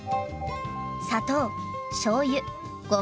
砂糖しょうゆごま